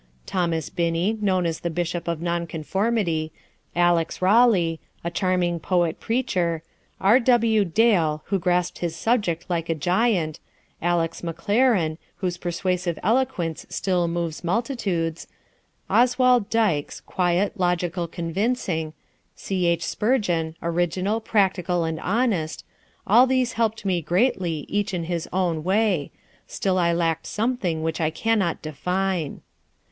Thomas Binney, known as the Bishop of Non conformity; Alex. Raleigh, a charming poet preacher; R. W. Dale, who grasped his subject like a giant; Alex. Maclaren, whose persuasive eloquence still moves multitudes; Oswald Dykes, quiet, logical, convincing; C. H. Spurgeon, original, practical and honest—all these helped me greatly, each in his own way; still I lacked something which I cannot define.